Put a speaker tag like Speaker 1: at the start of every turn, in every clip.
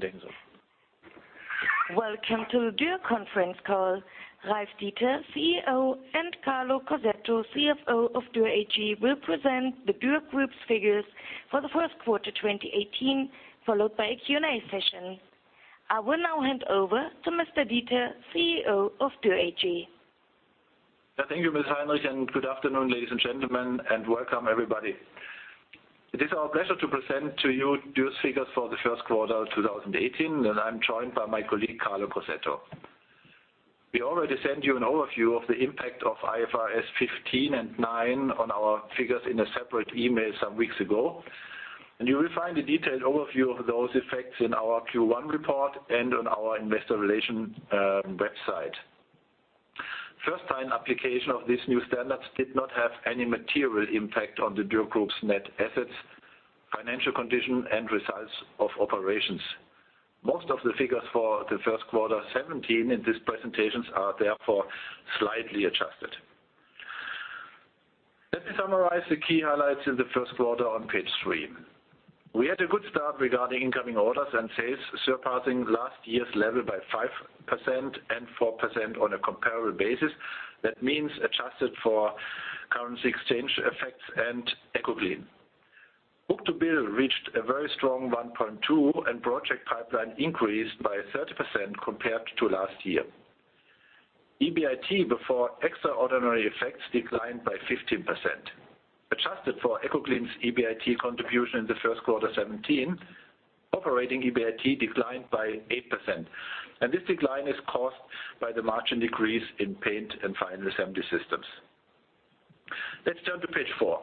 Speaker 1: So, wie ein Frauendeckel so.
Speaker 2: Welcome to the Dürr Conference Call. Ralf Dieter, CEO, and Carlo Corsetto, CFO of Dürr AG, will present the Dürr Group's figures for the first quarter 2018, followed by a Q&A session. I will now hand over to Mr. Dieter, CEO of Dürr AG.
Speaker 1: Thank you, Ms. Heinrich, and good afternoon, ladies and gentlemen, and welcome, everybody. It is our pleasure to present to you Dürr's figures for the first quarter 2018, and I'm joined by my colleague, Carlo Corsetto. We already sent you an overview of the impact of IFRS 15 and 9 on our figures in a separate email some weeks ago, and you will find a detailed overview of those effects in our Q1 report and on our investor relations website. First-time application of these new standards did not have any material impact on the Dürr Group's net assets, financial condition, and results of operations. Most of the figures for the first quarter 2017 in this presentation are therefore slightly adjusted. Let me summarize the key highlights in the first quarter on page 3. We had a good start regarding incoming orders and sales surpassing last year's level by 5% and 4% on a comparable basis. That means adjusted for currency exchange effects and EcoGlean. Book to bill reached a very strong 1.2 and project pipeline increased by 30% compared to last year. EBIT before extraordinary effects declined by 15%. Adjusted for EcoGlean's EBIT contribution in the first quarter 2017, operating EBIT declined by 8%, and this decline is caused by the margin decrease in paint and final assembly systems. Let's turn to page 4.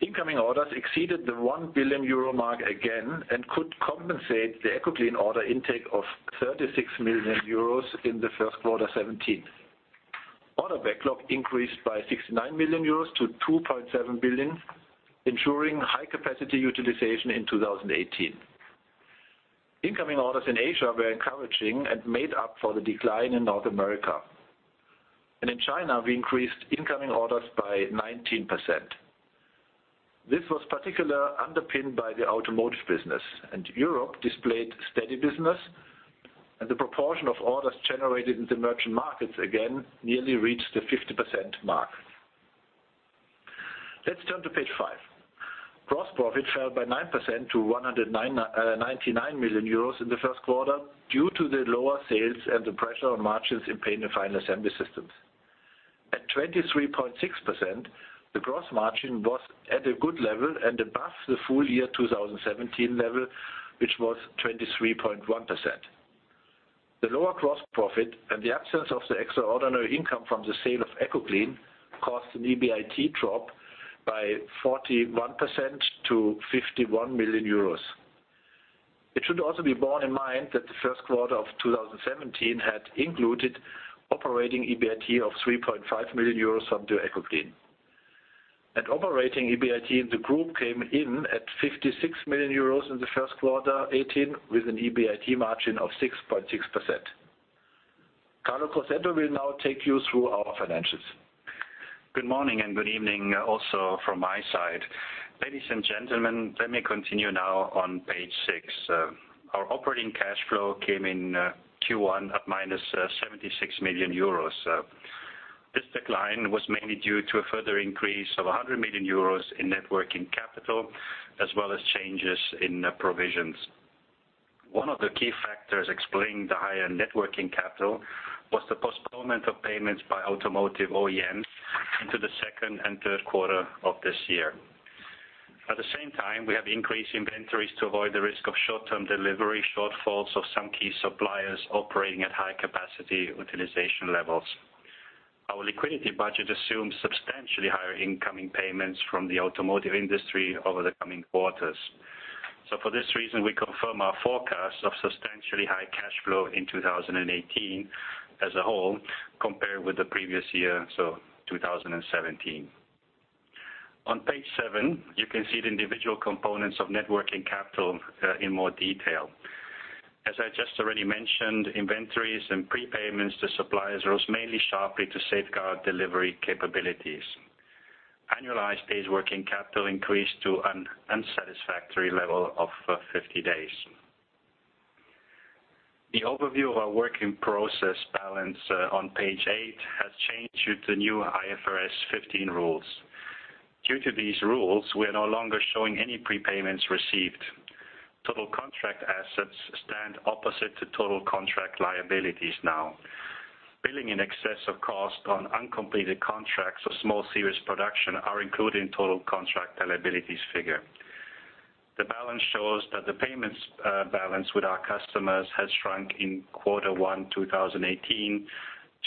Speaker 1: Incoming orders exceeded the €1 billion mark again and could compensate the EcoGlean order intake of €36 million in the first quarter 2017. Order backlog increased by €69 million to €2.7 billion, ensuring high-capacity utilization in 2018. Incoming orders in Asia were encouraging and made up for the decline in North America. In China, we increased incoming orders by 19%. This was particularly underpinned by the automotive business, and Europe displayed steady business, and the proportion of orders generated in the merchant markets again nearly reached the 50% mark. Let's turn to page 5. Gross profit fell by 9% to €199 million in the first quarter due to the lower sales and the pressure on margins in paint and final assembly systems. At 23.6%, the gross margin was at a good level and above the full year 2017 level, which was 23.1%. The lower gross profit and the absence of the extraordinary income from the sale of EcoGlean caused an EBIT drop by 41% to €51 million. It should also be borne in mind that the first quarter of 2017 had included operating EBIT of €3.5 million from the EcoGlean. Operating EBIT in the group came in at €56 million in the first quarter 2018 with an EBIT margin of 6.6%. Carlo Corsetto will now take you through our financials.
Speaker 3: Good morning and good evening also from my side. Ladies and gentlemen, let me continue now on page 6. Our operating cash flow came in Q1 at minus €76 million. This decline was mainly due to a further increase of €100 million in working capital, as well as changes in provisions. One of the key factors explaining the higher working capital was the postponement of payments by automotive OEMs into the second and third quarter of this year. At the same time, we have increased inventories to avoid the risk of short-term delivery shortfalls of some key suppliers operating at high-capacity utilization levels. Our liquidity budget assumes substantially higher incoming payments from the automotive industry over the coming quarters. For this reason, we confirm our forecast of substantially higher cash flow in 2018 as a whole compared with the previous year, 2017. On page 7, you can see the individual components of working capital in more detail. As I already mentioned, inventories and prepayments to suppliers rose sharply to safeguard delivery capabilities. Annualized days working capital increased to an unsatisfactory level of 50 days. The overview of our working capital balance on page 8 has changed due to new IFRS 15 rules. Due to these rules, we are no longer showing any prepayments received. Total contract assets stand opposite to total contract liabilities now. Billing in excess of cost on uncompleted contracts or small series production are included in total contract liabilities figure. The balance shows that the payments balance with our customers has shrunk in quarter 1, 2018,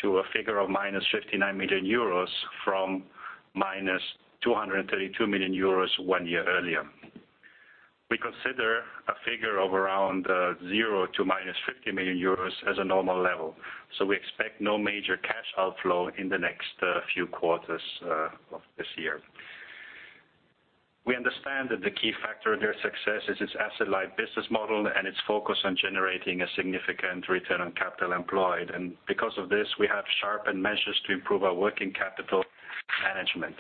Speaker 3: to a figure of minus €59 million from minus €232 million one year earlier. We consider a figure of around zero to minus €50 million as a normal level, so we expect no major cash outflow in the next few quarters of this year. We understand that the key factor in their success is its asset-like business model and its focus on generating a significant return on capital employed, and because of this, we have sharpened measures to improve our working capital management.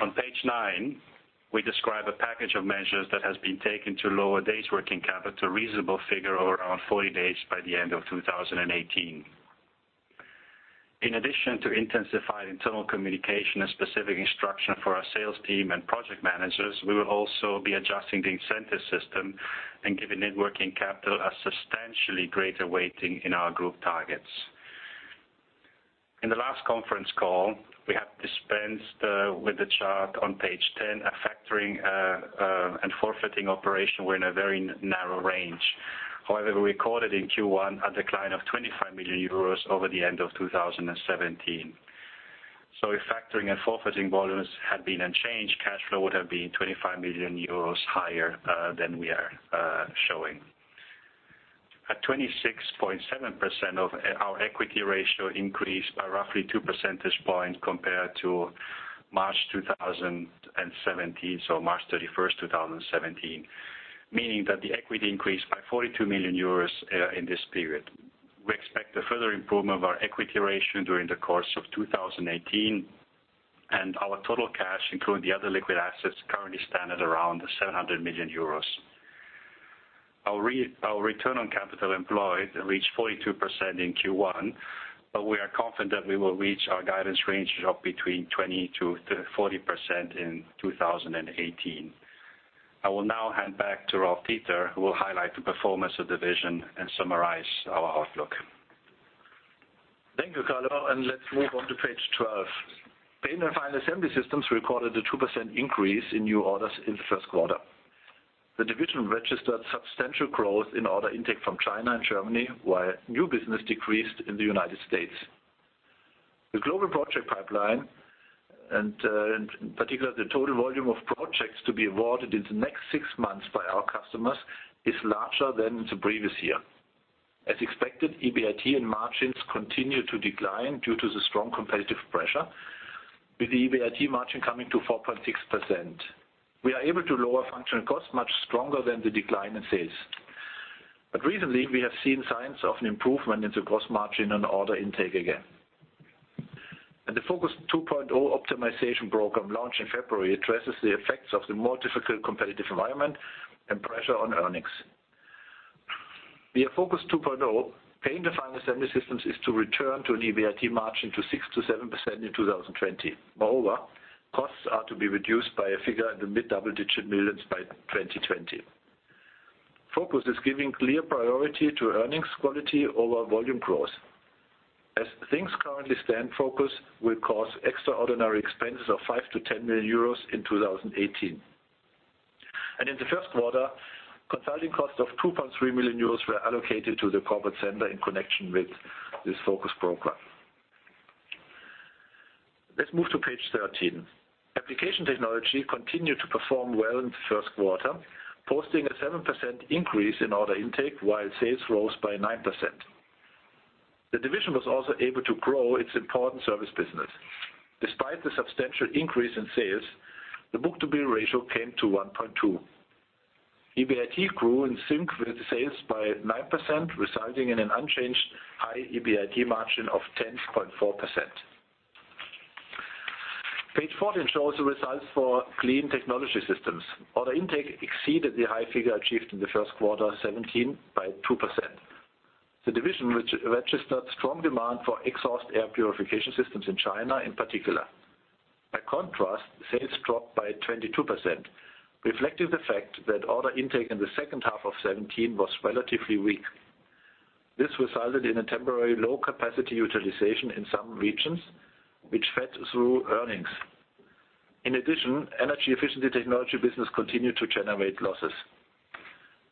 Speaker 3: On page 9, we describe a package of measures that has been taken to lower days working capital to a reasonable figure of around 40 days by the end of 2018. In addition to intensified internal communication and specific instruction for our sales team and project managers, we will also be adjusting the incentive system and giving working capital a substantially greater weighting in our group targets. In the last conference call, we have dispensed with the chart on page 10, a factoring and forfeiting operation within a very narrow range. However, we recorded in Q1 a decline of €25 million over the end of 2017. So if factoring and forfeiting volumes had been unchanged, cash flow would have been €25 million higher than we are showing. At 26.7%, our equity ratio increased by roughly 2 percentage points compared to March 2017, so March 31, 2017, meaning that the equity increased by €42 million in this period. We expect a further improvement of our equity ratio during the course of 2018, and our total cash, including the other liquid assets, currently stands at around €700 million. Our return on capital employed reached 42% in Q1, but we are confident that we will reach our guidance range of between 20% to 40% in 2018. I will now hand back to Ralf Dieter, who will highlight the performance of the division and summarize our outlook.
Speaker 1: Thank you, Carlo, and let's move on to page 12. Paint and final assembly systems recorded a 2% increase in new orders in the first quarter. The division registered substantial growth in order intake from China and Germany, while new business decreased in the United States. The global project pipeline, and in particular, the total volume of projects to be awarded in the next six months by our customers, is larger than in the previous year. As expected, EBIT and margins continue to decline due to the strong competitive pressure, with the EBIT margin coming to 4.6%. We are able to lower functional costs much stronger than the decline in sales. Recently, we have seen signs of an improvement in the gross margin and order intake again. The Focus 2.0 optimization program launched in February addresses the effects of the more difficult competitive environment and pressure on earnings. The Focus 2.0 paint and final assembly systems is to return to an EBIT margin to 6% to 7% in 2020. Moreover, costs are to be reduced by a figure in the mid-double-digit millions by 2020. Focus is giving clear priority to earnings quality over volume growth. As things currently stand, Focus will cause extraordinary expenses of €5 to €10 million in 2018. In the first quarter, consulting costs of €2.3 million were allocated to the corporate center in connection with this Focus program. Let's move to page 13. Application technology continued to perform well in the first quarter, posting a 7% increase in order intake while sales rose by 9%. The division was also able to grow its important service business. Despite the substantial increase in sales, the book to bill ratio came to 1.2. EBIT grew in sync with sales by 9%, resulting in an unchanged high EBIT margin of 10.4%. Page 14 shows the results for clean technology systems. Order intake exceeded the high figure achieved in the first quarter 2017 by 2%. The division registered strong demand for exhaust air purification systems in China in particular. By contrast, sales dropped by 22%, reflecting the fact that order intake in the second half of 2017 was relatively weak. This resulted in a temporary low-capacity utilization in some regions, which fed through earnings. In addition, energy efficiency technology business continued to generate losses,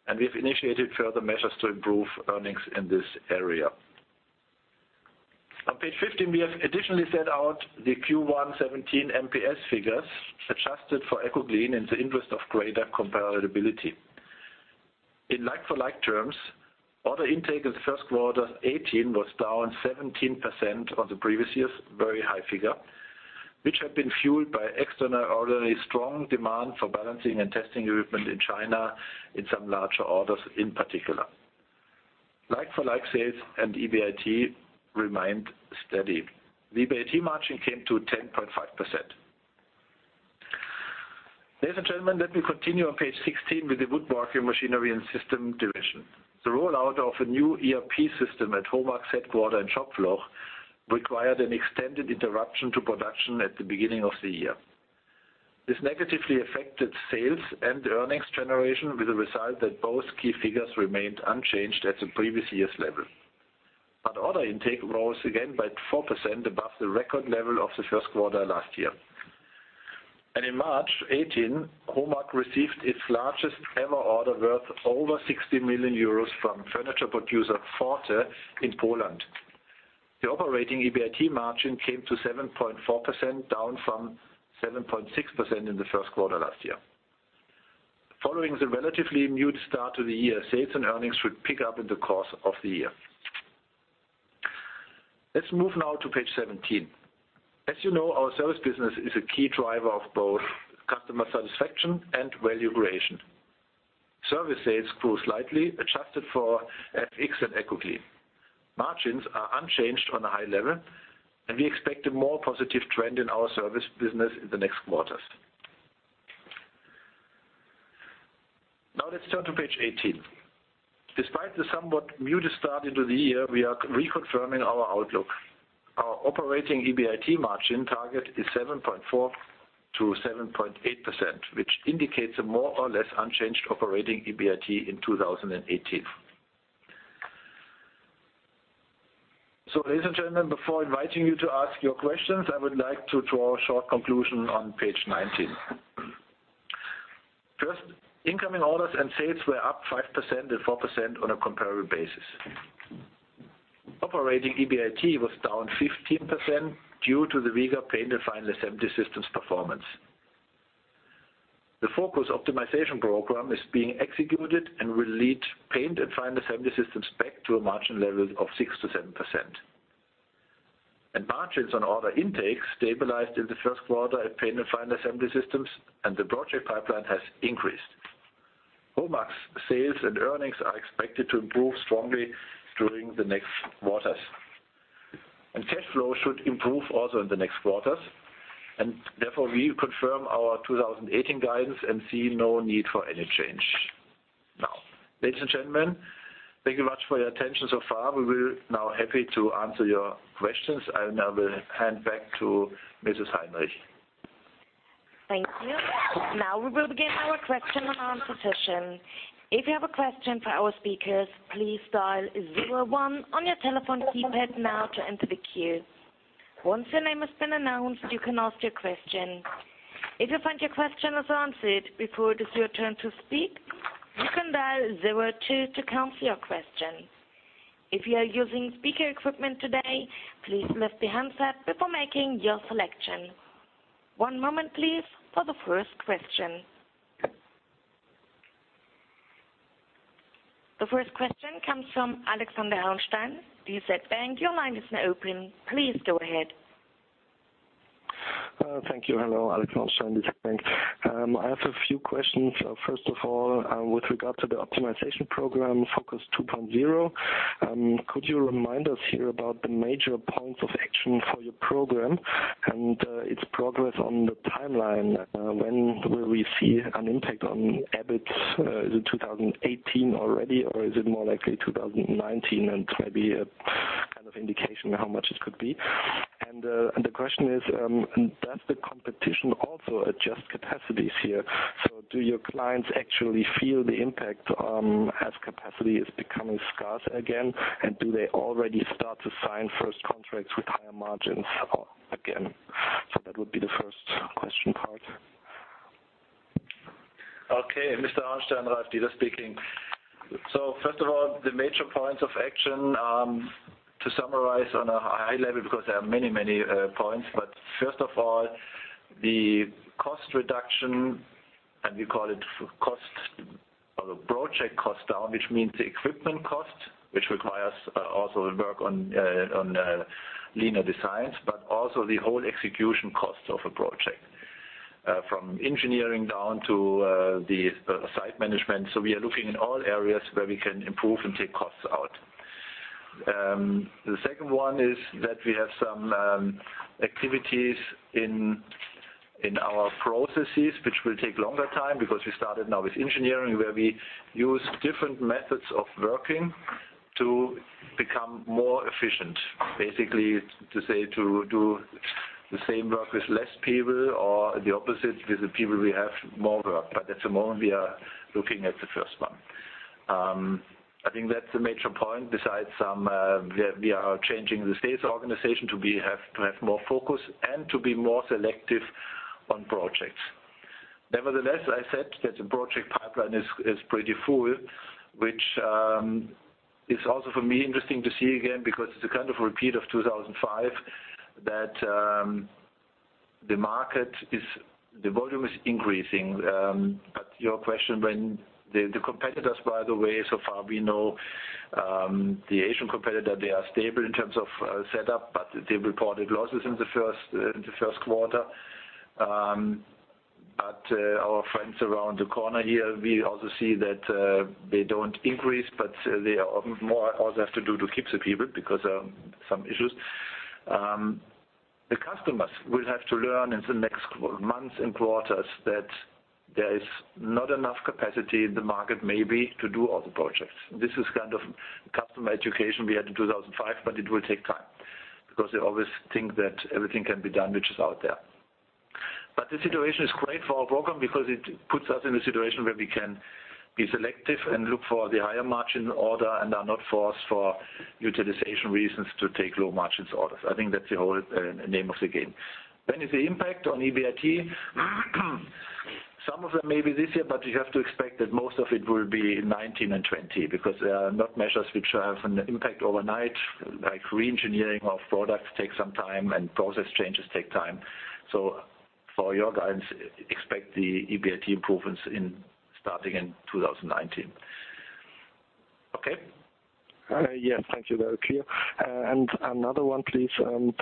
Speaker 1: and we have initiated further measures to improve earnings in this area. On page 15, we have additionally set out the Q1 2017 MPS figures adjusted for EcoGlean in the interest of greater comparability. In like-for-like terms, order intake in the first quarter 2018 was down 17% on the previous year's very high figure, which had been fueled by extraordinarily strong demand for balancing and testing equipment in China in some larger orders in particular. Like-for-like sales and EBIT remained steady. The EBIT margin came to 10.5%. Ladies and gentlemen, let me continue on page 16 with the woodworking machinery and system division. The rollout of a new ERP system at Homag's headquarters in Schopfloch required an extended interruption to production at the beginning of the year. This negatively affected sales and earnings generation, with the result that both key figures remained unchanged at the previous year's level. But order intake rose again by 4% above the record level of the first quarter last year. On March 18, Homag received its largest ever order worth over €60 million from furniture producer Forte in Poland. The operating EBIT margin came to 7.4%, down from 7.6% in the first quarter last year. Following the relatively muted start to the year, sales and earnings should pick up in the course of the year. Let's move now to page 17. As you know, our service business is a key driver of both customer satisfaction and value creation. Service sales grew slightly, adjusted for FX and EcoGlean. Margins are unchanged on a high level, and we expect a more positive trend in our service business in the next quarters. Now let's turn to page 18. Despite the somewhat muted start into the year, we are reconfirming our outlook. Our operating EBIT margin target is 7.4% to 7.8%, which indicates a more or less unchanged operating EBIT in 2018. Ladies and gentlemen, before inviting you to ask your questions, I would like to draw a short conclusion on page 19. First, incoming orders and sales were up 5% and 4% on a comparable basis. Operating EBIT was down 15% due to the weaker paint and final assembly systems performance. The Focus optimization program is being executed and will lead paint and final assembly systems back to a margin level of 6% to 7%. Margins on order intake stabilized in the first quarter at paint and final assembly systems, and the project pipeline has increased. Homag's sales and earnings are expected to improve strongly during the next quarters. Cash flow should improve also in the next quarters, and therefore we confirm our 2018 guidance and see no need for any change. Now, ladies and gentlemen, thank you very much for your attention far. We will now be happy to answer your questions, and I will hand back to Mrs. Heinrich.
Speaker 4: Thank you. Now we will begin our question and answer session. If you have a question for our speakers, please dial 01 on your telephone keypad now to enter the queue. Once your name has been announced, you can ask your question. If you find your question has been answered before it is your turn to speak, you can dial 02 to cancel your question. If you are using speaker equipment today, please lift the handset before making your selection. One moment, please, for the first question. The first question comes from Alexander Holmstein, DZ Bank. Your line is now open. Please go ahead.
Speaker 5: Thank you. Hello, Alex Holmstein, DZ Bank. I have a few questions. First of all, with regard to the optimization program, Focus 2.0, could you remind us here about the major points of action for your program and its progress on the timeline? When will we see an impact on EBIT? Is it 2018 already, or is it more likely 2019? Maybe a kind of indication how much it could be. The question is, does the competition also adjust capacities here? So do your clients actually feel the impact as capacity is becoming scarce again, and do they already start to sign first contracts with higher margins again? So that would be the first question part.
Speaker 1: Okay, Mr. Holmstein, Ralf Dieter speaking. First of all, the major points of action, to summarize on a high level, because there are many, many points, but first of all, the cost reduction, and we call it cost of a project cost down, which means the equipment cost, which requires also work on leaner designs, but also the whole execution cost of a project, from engineering down to the site management. We are looking in all areas where we can improve and take costs out. The second one is that we have some activities in our processes, which will take longer time, because we started now with engineering, where we use different methods of working to become more efficient. Basically, to say, to do the same work with less people or the opposite, with the people we have more work. At the moment, we are looking at the first one. I think that's the major point. Besides, we are changing the sales organization to have more focus and to be more selective on projects. Nevertheless, I said that the project pipeline is pretty full, which is also for me interesting to see again, because it's a kind of repeat of 2005, that the market volume is increasing. Your question, when the competitors, by the way, so far we know the Asian competitor, they are stable in terms of setup, but they reported losses in the first quarter. Our friends around the corner here, we also see that they don't increase, but they also have to keep the people because of some issues. The customers will have to learn in the next months and quarters that there is not enough capacity in the market maybe to do all the projects. This is kind of customer education we had in 2005, but it will take time, because they always think that everything can be done which is out there. But the situation is great for our program because it puts us in a situation where we can be selective and look for the higher margin order and are not forced for utilization reasons to take low margins orders. I think that's the whole name of the game. When is the impact on EBIT? Some of them may be this year, but you have to expect that most of it will be in 2019 and 2020, because they are not measures which have an impact overnight, like re-engineering of products takes some time and process changes take time. So for your guidance, expect the EBIT improvements starting in 2019. Okay?
Speaker 5: Yes, thank you. That was clear. Another one, please. You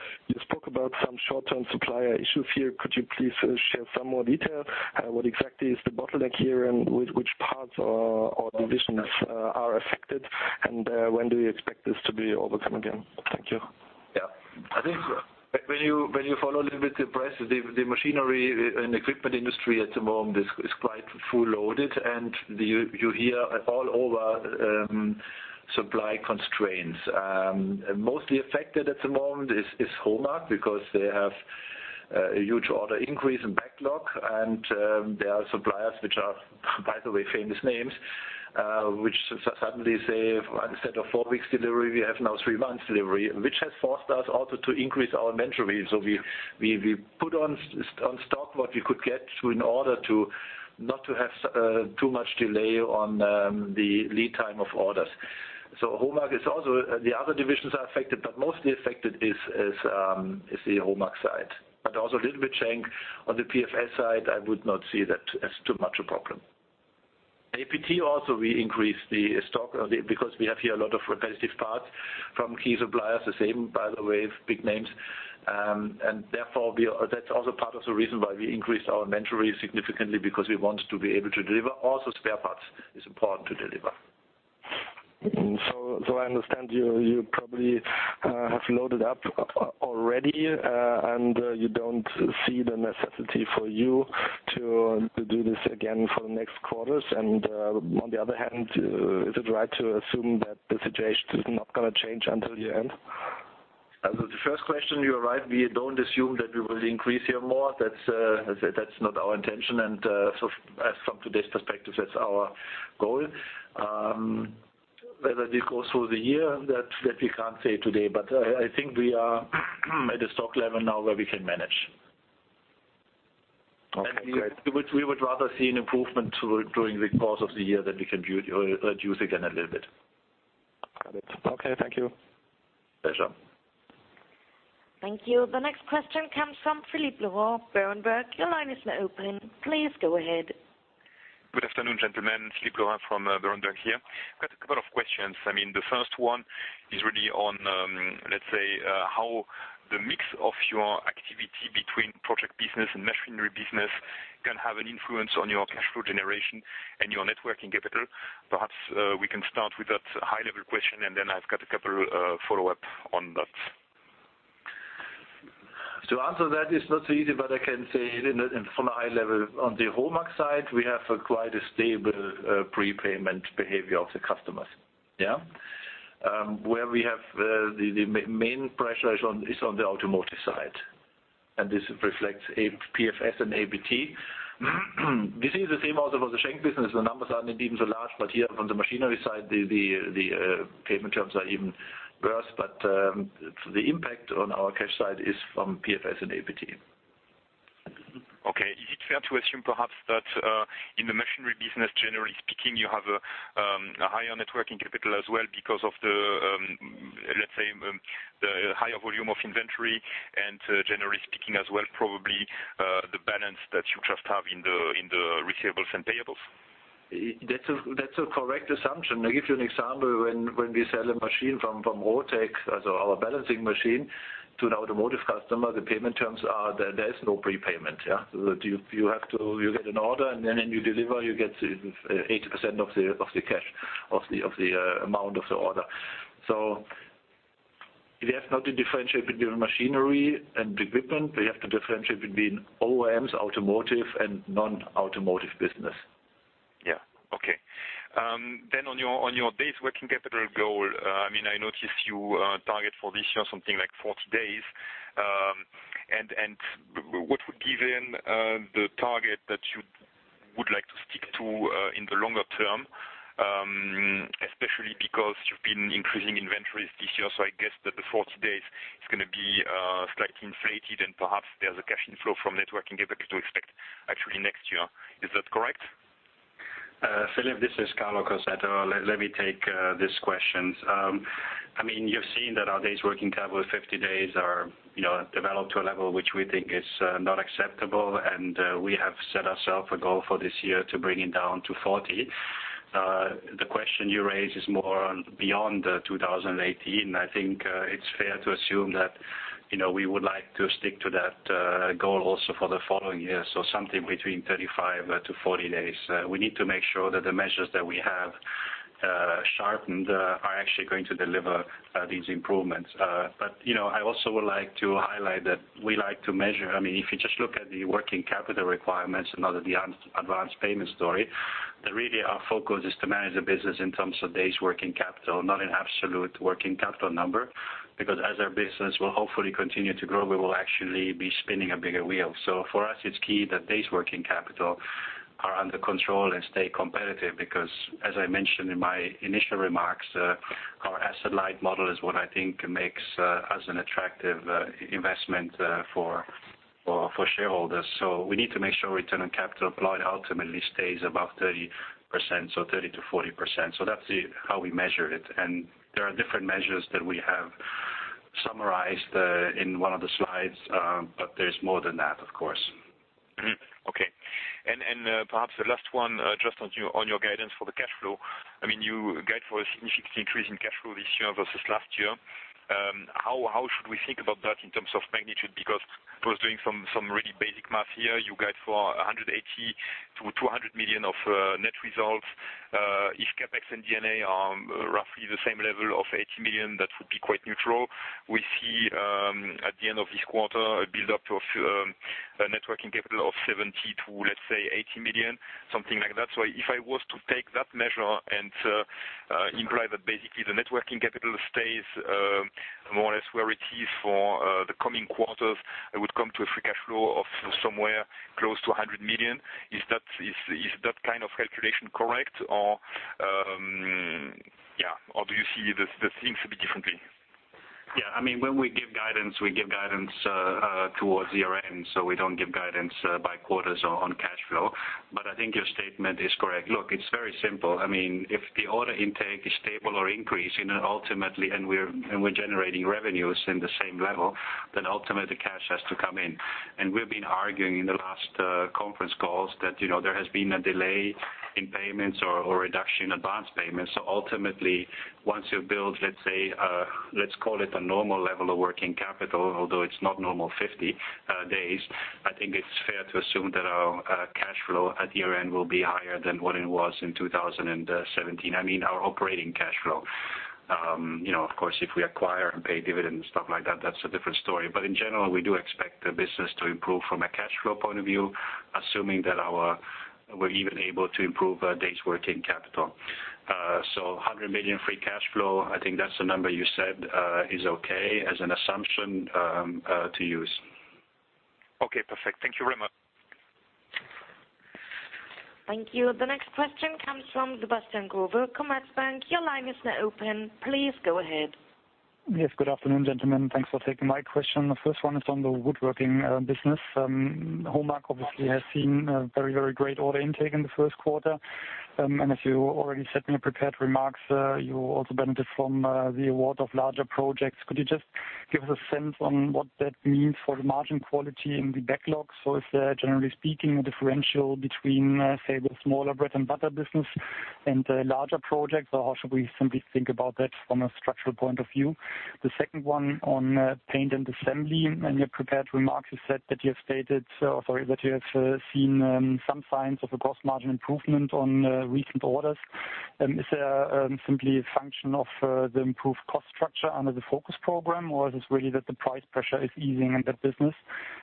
Speaker 5: spoke about some short-term supplier issues here. Could you please share some more detail? What exactly is the bottleneck here and which parts or divisions are affected, and when do you expect this to be overcome again? Thank you.
Speaker 1: I think when you follow a little bit the press, the machinery and equipment industry at the moment is quite full-loaded, and you hear all over supply constraints. Mostly affected at the moment is Homag, because they have a huge order increase and backlog, and there are suppliers which are, by the way, famous names, which suddenly say, instead of four weeks delivery, we have now three months delivery, which has forced us also to increase our inventory. So we put on stock what we could get in order to not have too much delay on the lead time of orders. Homag is also the other divisions are affected, but mostly affected is the Homag side. But also a little bit shank on the PFS side, I would not see that as too much a problem. APT also, we increased the stock, because we have here a lot of repetitive parts from key suppliers, the same, by the way, big names. Therefore, that's also part of the reason why we increased our inventory significantly, because we want to be able to deliver also spare parts is important to deliver.
Speaker 5: I understand you probably have loaded up already, and you don't see the necessity for you to do this again for the next quarters. On the other hand, is it right to assume that the situation is not going to change until year end?
Speaker 1: As of the first question you asked, we don't assume that we will increase here more. That's not our intention, and from today's perspective, that's our goal. Whether we go through the year, that we can't say today, but I think we are at a stock level now where we can manage.
Speaker 5: Okay.
Speaker 1: We would rather see an improvement during the course of the year that we can reduce again a little bit.
Speaker 5: Got it. Okay, thank you.
Speaker 1: Pleasure.
Speaker 4: Thank you. The next question comes from Philippe Laurent Berenberg. Your line is now open. Please go ahead.
Speaker 6: Good afternoon, gentlemen. Philippe Laurent from Berenberg here. I've got a couple of questions. I mean, the first one is really on, let's say, how the mix of your activity between project business and machinery business can have an influence on your cash flow generation and your working capital. Perhaps we can start with that high-level question, and then I've got a couple of follow-ups on that.
Speaker 1: To answer that is not so easy, but I can say from a high level, on the Homag side, we have quite a stable prepayment behavior of the customers. Where we have the main pressure is on the automotive side, and this reflects PFS and APT. We see the same also for the shank business. The numbers aren't even so large, but here from the machinery side, the payment terms are even worse. But the impact on our cash side is from PFS and APT.
Speaker 6: Okay. Is it fair to assume perhaps that in the machinery business, generally speaking, you have a higher working capital as well because of the, let's say, the higher volume of inventory and, generally speaking, as well, probably the balance that you just have in the receivables and payables?
Speaker 1: That's a correct assumption. I'll give you an example. When we sell a machine from Rotex, our balancing machine, to an automotive customer, the payment terms are there is no prepayment. You get an order, and then when you deliver, you get 80% of the cash of the amount of the order. So we have not to differentiate between machinery and equipment. We have to differentiate between OEMs, automotive, and non-automotive business.
Speaker 6: Yeah. Okay. Then on your days working capital goal, I mean, I noticed you target for this year something like 40 days. What would be then the target that you would like to stick to in the longer term, especially because you've been increasing inventories this year? So I guess that the 40 days is going to be slightly inflated, and perhaps there's a cash inflow from working capital to expect actually next year. Is that correct?
Speaker 1: Philip, this is Carlo Conceto. Let me take this question. I mean, you've seen that our days working capital of 50 days has developed to a level which we think is not acceptable, and we have set ourselves a goal for this year to bring it down to 40. The question you raise is more beyond 2018. I think it's fair to assume that we would like to stick to that goal also for the following year, so something between 35 to 40 days. We need to make sure that the measures that we have sharpened are actually going to deliver these improvements. I also would like to highlight that we like to measure. I mean, if you just look at the working capital requirements and not at the advanced payment story, that really our focus is to manage the business in terms of days working capital, not an absolute working capital number, because as our business will hopefully continue to grow, we will actually be spinning a bigger wheel. So for us, it's key that days working capital are under control and stay competitive, because, as I mentioned in my initial remarks, our asset-light model is what I think makes us an attractive investment for shareholders. So we need to make sure return on capital applied ultimately stays above 30%, so 30% to 40%. So that's how we measure it. And there are different measures that we have summarized in one of the slides, but there's more than that, of course.
Speaker 6: Okay. And perhaps the last one, just on your guidance for the cash flow. I mean, you guide for a significant increase in cash flow this year versus last year. How should we think about that in terms of magnitude? Because I was doing some really basic math here. You guide for $180 to $200 million of net results. If CapEx and D&A are roughly the same level of $80 million, that would be quite neutral. We see at the end of this quarter a build-up of working capital of $70 to, let's say, $80 million, something like that. So if I was to take that measure and imply that basically the working capital stays more or less where it is for the coming quarters, I would come to a free cash flow of somewhere close to $100 million. Is that kind of calculation correct? Do you see the things a bit differently?
Speaker 1: Yeah. I mean, when we give guidance, we give guidance towards year-end, so we don't give guidance by quarters on cash flow. But I think your statement is correct. Look, it's very simple. I mean, if the order intake is stable or increasing ultimately, and we're generating revenues in the same level, then ultimately cash has to come in. We've been arguing in the last conference calls that there has been a delay in payments or reduction in advanced payments. So ultimately, once you build, let's say, let's call it a normal level of working capital, although it's not normal 50 days, I think it's fair to assume that our cash flow at year-end will be higher than what it was in 2017. I mean, our operating cash flow. Of course, if we acquire and pay dividends and stuff like that, that's a different story. But in general, we do expect the business to improve from a cash flow point of view, assuming that we're even able to improve days working capital. So $100 million free cash flow, I think that's the number you said is okay as an assumption to use.
Speaker 6: Okay. Perfect. Thank you very much.
Speaker 4: Thank you. The next question comes from Sebastian Grover, Commerzbank. Your line is now open. Please go ahead.
Speaker 5: Yes. Good afternoon, gentlemen. Thanks for taking my question. The first one is on the woodworking business. Homag obviously has seen very great order intake in the first quarter. As you already said in your prepared remarks, you also benefit from the award of larger projects. Could you just give us a sense on what that means for the margin quality and the backlog? Is there, generally speaking, a differential between, say, the smaller bread-and-butter business and the larger projects? Or how should we simply think about that from a structural point of view? The second one on paint and assembly, in your prepared remarks, you said that you have seen some signs of a gross margin improvement on recent orders. Is there simply a function of the improved cost structure under the focus program, or is it really that the price pressure is easing in that business?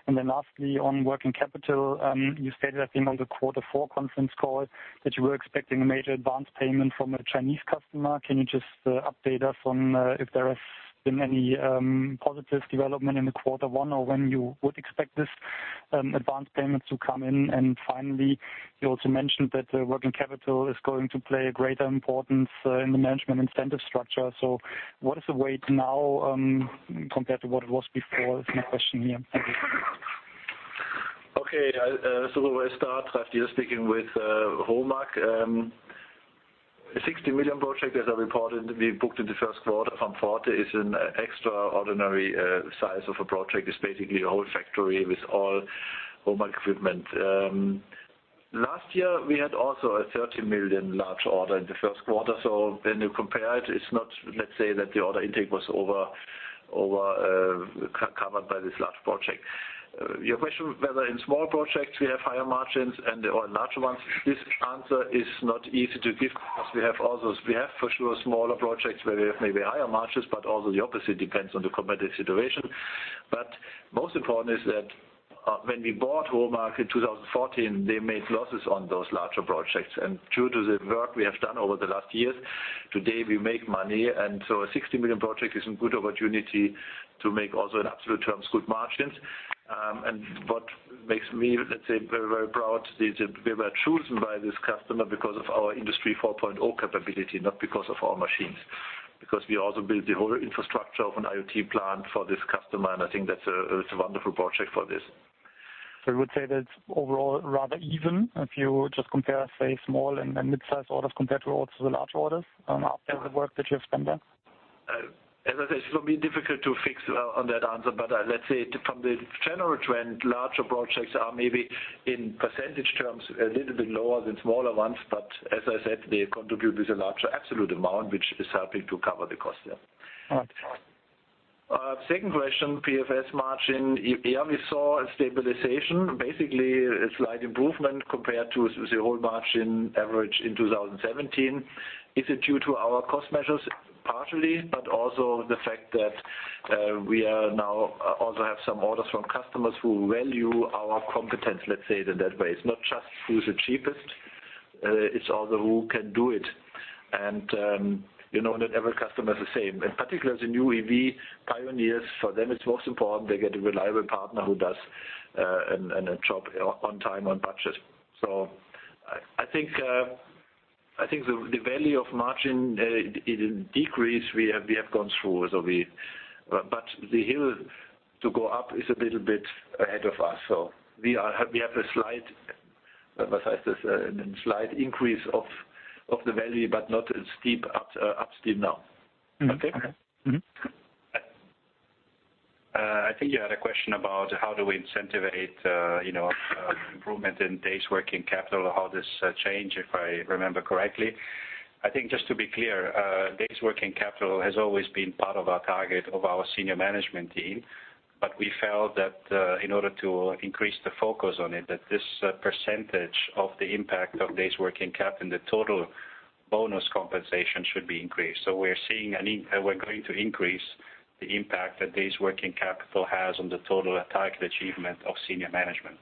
Speaker 5: And then lastly, on working capital, you stated, I think, on the Q4 conference call that you were expecting a major advanced payment from a Chinese customer. Can you just update us on if there has been any positive development in Q1 or when you would expect this advanced payment to come in? And finally, you also mentioned that working capital is going to play a greater importance in the management incentive structure. So what is the weight now compared to what it was before? That's my question here. Thank you.
Speaker 1: So where I start, Rafi, speaking with Homag, a $60 million project as I reported, we booked in the first quarter. From 40 is an extraordinary size of a project. It's basically a whole factory with all Homag equipment. Last year, we had also a $30 million large order in the first quarter. So when you compare it, it's not that the order intake was covered by this large project. Your question whether in small projects we have higher margins or in larger ones, this answer is not easy to give because we have also for sure smaller projects where we have maybe higher margins, but also the opposite depends on the competitive situation. But most important is that when we bought Homag in 2014, they made losses on those larger projects. Due to the work we have done over the last years, today we make money. A $60 million project is a good opportunity to make also in absolute terms good margins. What makes me very, very proud is that we were chosen by this customer because of our Industry 4.0 capability, not because of our machines, because we also built the whole infrastructure of an IoT plant for this customer. I think that's a wonderful project for this.
Speaker 5: You would say that it's overall rather even if you just compare, say, small and mid-size orders compared to also the large orders after the work that you have spent there?
Speaker 1: As I said, it's going to be difficult to fix on that answer, but let's say from the general trend, larger projects are maybe in percentage terms a little bit lower than smaller ones. But as I said, they contribute with a larger absolute amount, which is helping to cover the cost there.
Speaker 5: All right.
Speaker 1: Second question, PFS margin. Yeah, we saw a stabilization, basically a slight improvement compared to the whole margin average in 2017. Is it due to our cost measures? Partially, but also the fact that we now also have some orders from customers who value our competence, let's say it in that way. It's not just who's the cheapest. It's also who can do it. You know that every customer is the same. In particular, the new EV pioneers, for them, it's most important they get a reliable partner who does a job on time on budget. I think the value of margin decrease we have gone through. But the hill to go up is a little bit ahead of us. We have a slight increase of the value, but not steep upstream now. Okay?
Speaker 5: Okay.
Speaker 1: I think you had a question about how do we incentivize improvement in days working capital, how this changed, if I remember correctly. I think just to be clear, days working capital has always been part of our target of our senior management team. But we felt that in order to increase the focus on it, that this percentage of the impact of days working capital in the total bonus compensation should be increased. So we're going to increase the impact that days working capital has on the total target achievement of senior management.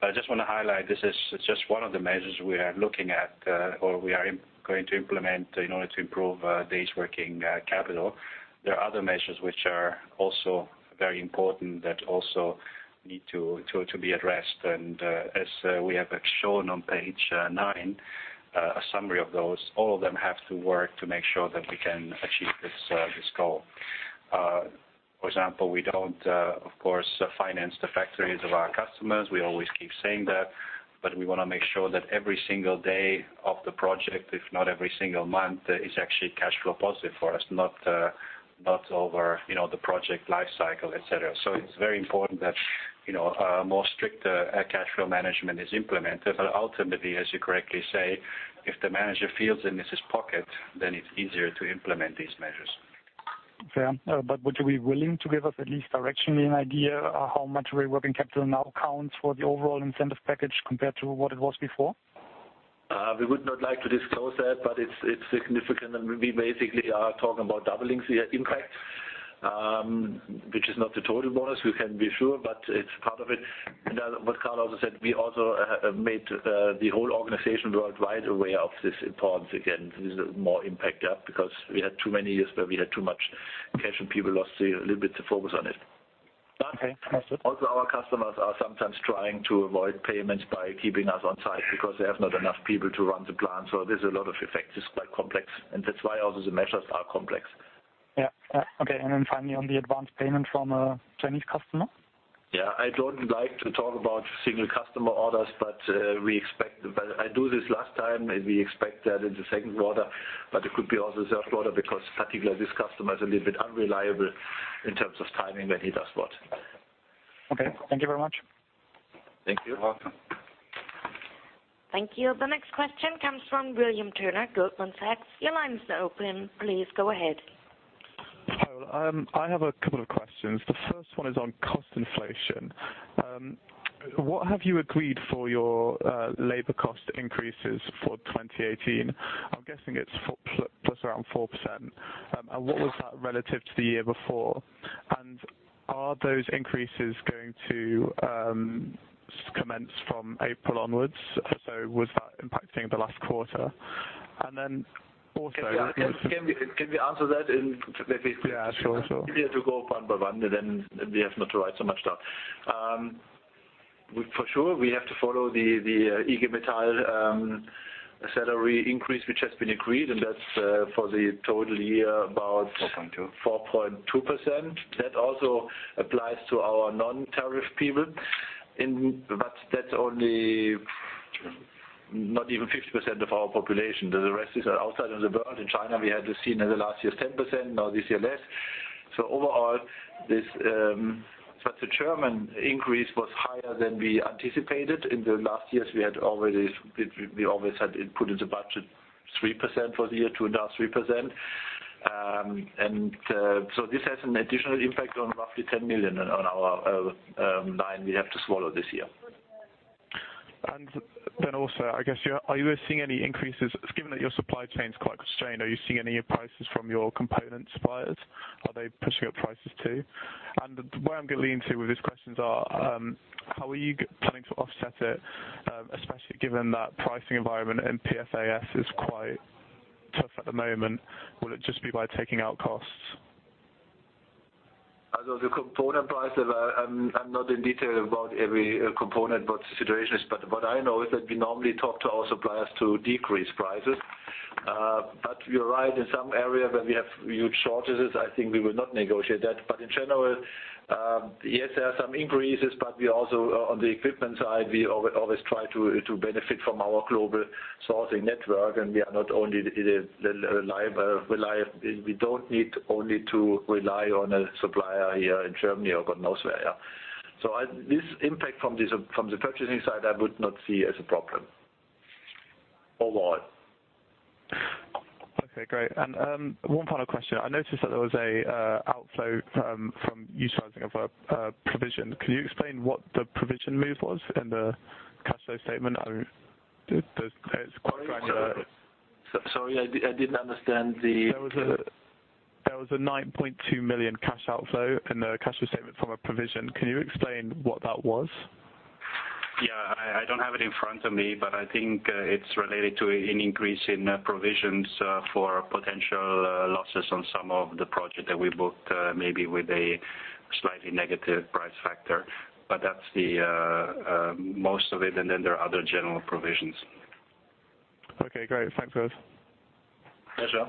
Speaker 1: But I just want to highlight this is just one of the measures we are looking at or we are going to implement in order to improve days working capital. There are other measures which are also very important that also need to be addressed. As we have shown on page nine, a summary of those, all of them have to work to make sure that we can achieve this goal. For example, we don't, of course, finance the factories of our customers. We always keep saying that. But we want to make sure that every single day of the project, if not every single month, is actually cash flow positive for us, not over the project lifecycle, etc. So it's very important that more strict cash flow management is implemented. But ultimately, as you correctly say, if the manager feels in his pocket, then it's easier to implement these measures.
Speaker 5: Fair. But would you be willing to give us at least directionally an idea how much working capital now counts for the overall incentive package compared to what it was before?
Speaker 1: We would not like to disclose that, but it's significant. We basically are talking about doubling the impact, which is not the total bonus, we can be sure, but it's part of it. What Carlo also said, we also made the whole organization worldwide aware of this importance again. This is more impacted up because we had too many years where we had too much cash and people lost a little bit of focus on it.
Speaker 5: Okay. Understood.
Speaker 1: Also, our customers are sometimes trying to avoid payments by keeping us on site because they have not enough people to run the plant. So there's a lot of effect. It's quite complex. That's why also the measures are complex.
Speaker 5: Yeah. Yeah. Okay. And then finally, on the advanced payment from a Chinese customer?
Speaker 1: Yeah. I don't like to talk about single customer orders, but we expect I do this last time. We expect that in the second quarter, but it could be also the third quarter because particularly this customer is a little bit unreliable in terms of timing when he does what.
Speaker 5: Okay. Thank you very much.
Speaker 1: Thank you.
Speaker 4: You're welcome. Thank you. The next question comes from William Turner, Goldman Sachs. Your line is now open. Please go ahead.
Speaker 6: Hi. I have a couple of questions. The first one is on cost inflation. What have you agreed for your labor cost increases for 2018? I'm guessing it's around 4%. What was that relative to the year before? Are those increases going to commence from April onwards? Was that impacting the last quarter? And then also.
Speaker 1: Can we answer that in maybe?
Speaker 6: Yeah. Sure. Sure.
Speaker 1: If you have to go one by one, then we do not have to write so much down. For sure, we have to follow the EG Metal salary increase, which has been agreed, and that's for the total year about.
Speaker 6: 4.2.
Speaker 1: 4.2%. That also applies to our non-tariff people. But that's only not even 50% of our population. The rest is outside of the world. In China, we had seen in the last year 10%. Now this year less. Overall, but the German increase was higher than we anticipated. In the last years, we always had put in the budget 3% for the year, 2.3%. This has an additional impact on roughly $10 million on our line we have to swallow this year.
Speaker 6: And then also, I guess, are you seeing any increases? Given that your supply chain is quite constrained, are you seeing any prices from your component suppliers? Are they pushing up prices too? The way I'm going to lean into these questions is, how are you planning to offset it, especially given that pricing environment and PFAS is quite tough at the moment? Will it just be by taking out costs?
Speaker 1: The component price of, I'm not in detail about every component, what the situation is. But what I know is that we normally talk to our suppliers to decrease prices. But you're right. In some areas where we have huge shortages, I think we will not negotiate that. But in general, yes, there are some increases, but we also on the equipment side, we always try to benefit from our global sourcing network. We are not only reliable. We don't need only to rely on a supplier here in Germany or God knows where. So this impact from the purchasing side, I would not see as a problem overall.
Speaker 6: Okay. Great. And one final question. I noticed that there was an outflow from utilization of a provision. Could you explain what the provision move was in the cash flow statement? It's quite granular.
Speaker 1: Sorry. I didn't understand that.
Speaker 6: There was a $9.2 million cash outflow in the cash flow statement from a provision. Can you explain what that was?
Speaker 1: Yeah. I don't have it in front of me, but I think it's related to an increase in provisions for potential losses on some of the projects that we booked maybe with a slightly negative price factor. But that's most of it. There are other general provisions.
Speaker 6: Okay. Great. Thanks, guys.
Speaker 1: Pleasure.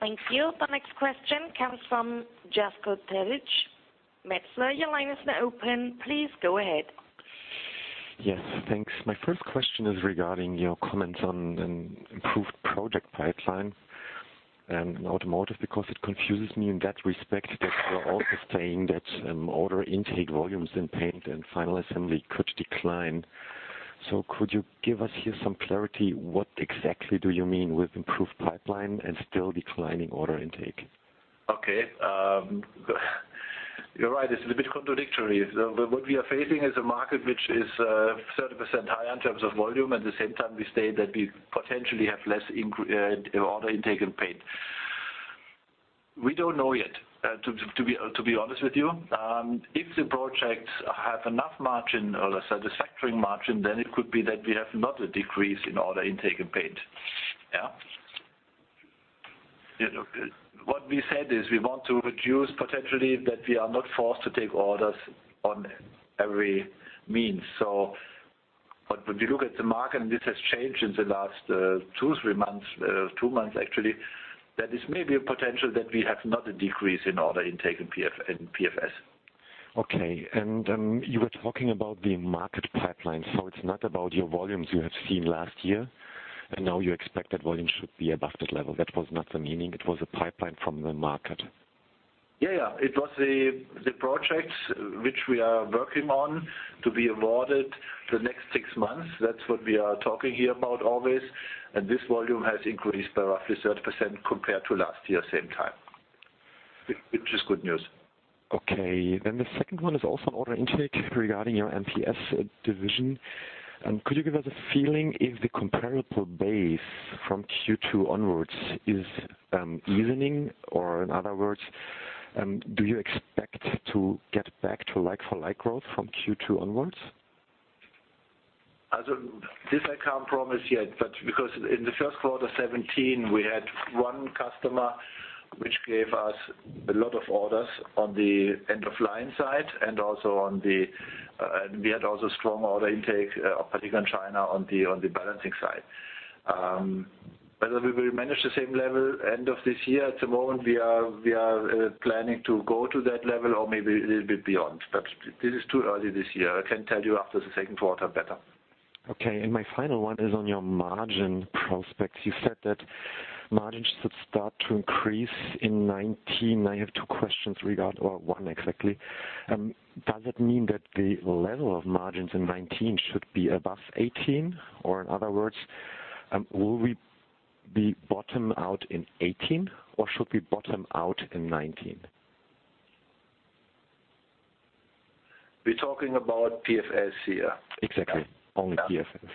Speaker 4: Thank you. The next question comes from Jasko Terić, Metzler. Your line is now open. Please go ahead.
Speaker 5: Yes. Thanks. My first question is regarding your comments on an improved project pipeline in automotive because it confuses me in that respect that you're also saying that order intake volumes in paint and final assembly could decline. So could you give us here some clarity? What exactly do you mean with improved pipeline and still declining order intake?
Speaker 1: You're right. It's a little bit contradictory. What we are facing is a market which is 30% higher in terms of volume. At the same time, we state that we potentially have less order intake in paint. We don't know yet, to be honest with you. If the projects have enough margin or a satisfactory margin, then it could be that we have not a decrease in order intake in paint. What we said is we want to reduce potentially that we are not forced to take orders on every means. So when we look at the market, and this has changed in the last two, three months, two months actually, that is maybe a potential that we have not a decrease in order intake in PFS.
Speaker 5: Okay. And you were talking about the market pipeline. So it's not about your volumes you have seen last year, and now you expect that volume should be above that level. That was not the meaning. It was a pipeline from the market.
Speaker 1: It was the projects which we are working on to be awarded the next six months. That's what we are talking here about always. This volume has increased by roughly 30% compared to last year's same time, which is good news.
Speaker 5: The second one is also on order intake regarding your MPS division. Could you give us a feeling if the comparable base from Q2 onwards is easing? Or in other words, do you expect to get back to like-for-like growth from Q2 onwards?
Speaker 1: This I can't promise yet. But because in the first quarter '17, we had one customer which gave us a lot of orders on the end-of-line side and also on the balancing side, and we had also strong order intake, particularly in China, on the balancing side. Whether we will manage the same level end of this year, at the moment, we are planning to go to that level or maybe a little bit beyond. But this is too early this year. I can tell you after the second quarter better.
Speaker 5: Okay. My final one is on your margin prospects. You said that margins should start to increase in '19. I have two questions regarding or one exactly. Does it mean that the level of margins in '19 should be above '18? In other words, will we be bottomed out in '18? Or should we bottom out in '19?
Speaker 1: We're talking about PFS here.
Speaker 5: Exactly. Only PFS.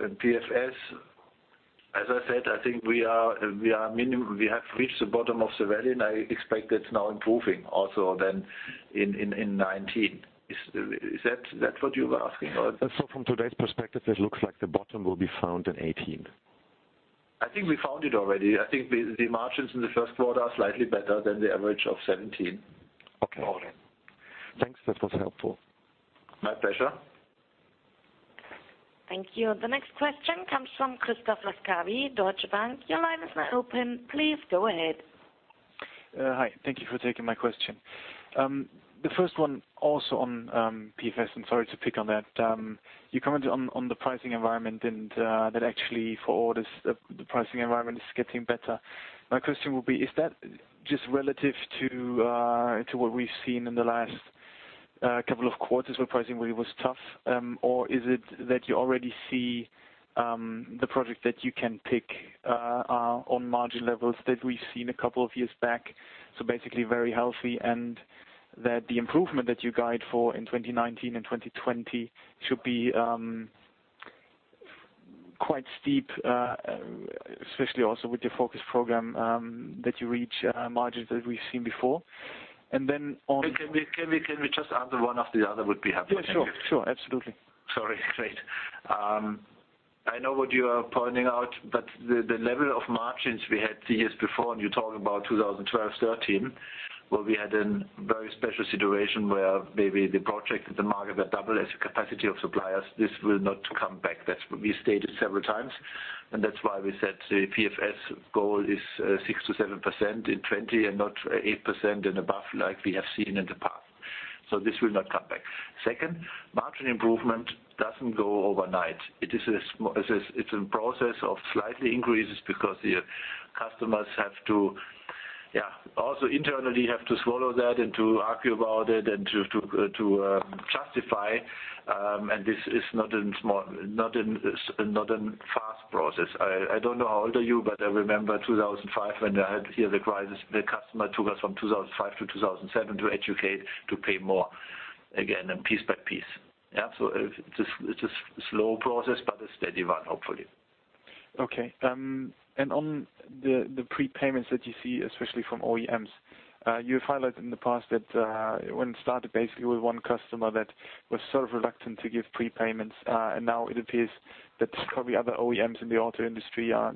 Speaker 1: In PFS, as I said, I think we have reached the bottom of the value, and I expect that's now improving also then in '19. Is that what you were asking?
Speaker 5: From today's perspective, it looks like the bottom will be found in 2018.
Speaker 1: I think we found it already. I think the margins in the first quarter are slightly better than the average of '17.
Speaker 5: Okay. Thanks. That was helpful.
Speaker 1: My pleasure.
Speaker 4: Thank you. The next question comes from Christoph Lascari, Deutsche Bank. Your line is now open. Please go ahead.
Speaker 6: Hi. Thank you for taking my question. The first one also on PFS, and sorry to pick on that. You commented on the pricing environment, and that actually for orders, the pricing environment is getting better. My question will be, is that just relative to what we've seen in the last couple of quarters where pricing really was tough? Or is it that you already see the project that you can pick on margin levels that we've seen a couple of years back? So basically very healthy, and that the improvement that you guide for in 2019 and 2020 should be quite steep, especially also with your focus program that you reach margins that we've seen before.
Speaker 1: Can we just answer one after the other? Would be helpful.
Speaker 5: Yeah. Sure. Sure. Absolutely.
Speaker 1: Sorry. Great. I know what you are pointing out, but the level of margins we had the years before, and you're talking about 2012, '13, where we had a very special situation where maybe the project and the market were doubled as a capacity of suppliers, this will not come back. That's what we stated several times. That's why we said the PFS goal is 6% to 7% in '20 and not 8% and above like we have seen in the past. So this will not come back. Second, margin improvement doesn't go overnight. It's a process of slightly increases because the customers have to also internally have to swallow that and to argue about it and to justify. This is not a fast process. I don't know how old you are, but I remember 2005 when I had here the crisis. The customer took us from 2005 to 2007 to educate to pay more again, piece by piece. Yeah. So it's a slow process, but a steady one, hopefully.
Speaker 5: And on the prepayments that you see, especially from OEMs, you have highlighted in the past that when it started basically with one customer that was sort of reluctant to give prepayments. Now it appears that probably other OEMs in the auto industry are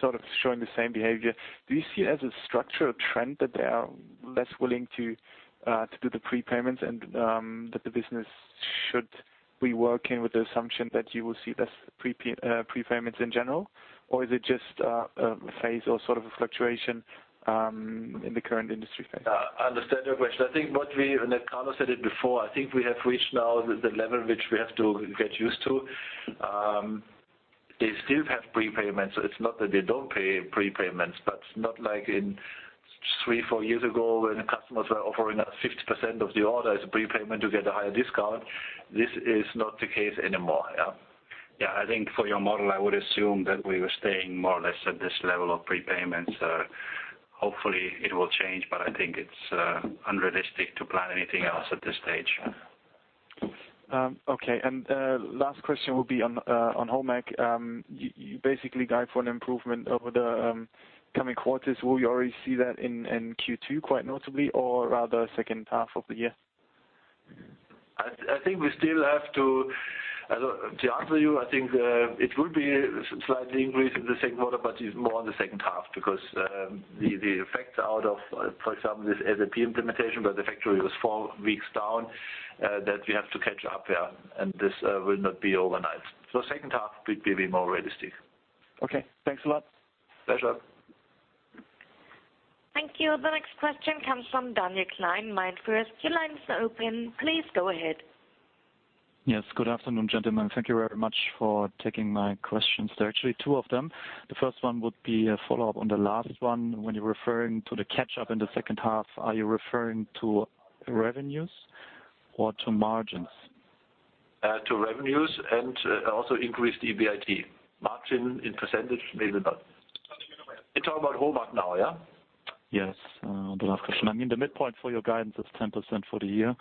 Speaker 5: sort of showing the same behavior. Do you see it as a structural trend that they are less willing to do the prepayments and that the business should be working with the assumption that you will see less prepayments in general? Or is it just a phase or sort of a fluctuation in the current industry phase?
Speaker 1: I understand your question. I think what we and Carlo said before. I think we have reached now the level which we have to get used to. They still have prepayments. It's not that they don't pay prepayments, but not like three or four years ago when customers were offering us 50% of the order as a prepayment to get a higher discount. This is not the case anymore. I think for your model, I would assume that we were staying more or less at this level of prepayments. Hopefully, it will change, but I think it's unrealistic to plan anything else at this stage.
Speaker 5: Okay. And last question will be on Holmek. You basically guide for an improvement over the coming quarters. Will you already see that in Q2 quite notably or rather second half of the year?
Speaker 1: I think we still have to answer you. I think it will be a slight increase in the second quarter, but it's more in the second half because the effects out of, for example, this SAP implementation where the factory was four weeks down, that we have to catch up there. This will not be overnight. So second half would be more realistic.
Speaker 5: Okay. Thanks a lot.
Speaker 1: Pleasure.
Speaker 4: Thank you. The next question comes from Daniel Klein. Your line is now open. Please go ahead.
Speaker 5: Yes. Good afternoon, gentlemen. Thank you very much for taking my questions. There are actually two of them. The first one would be a follow-up on the last one. When you're referring to the catch-up in the second half, are you referring to revenues or to margins?
Speaker 1: To revenues and also increased EBIT margin in percentage, maybe not. You're talking about Holmek now, yeah?
Speaker 5: Yes. The last question. I mean, the midpoint for your guidance is 10% for the year.